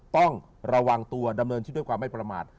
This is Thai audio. ต้องระวังตัวดำเนินชีวิตด้วยความไม่ประมาท